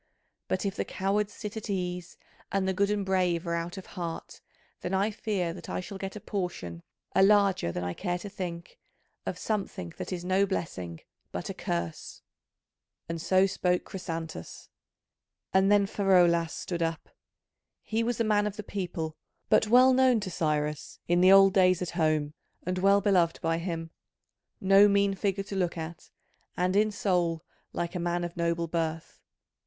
But if the cowards sit at ease and the good and brave are out of heart, then I fear that I shall get a portion, a larger than I care to think, of something that is no blessing but a curse." And so spoke Chrysantas, and then Pheraulas stood up. He was a man of the people, but well known to Cyrus in the old days at home and well beloved by him: no mean figure to look at, and in soul like a man of noble birth.